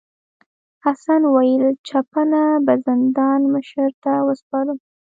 حسن وویل چپنه به زندان مشر ته وسپارم.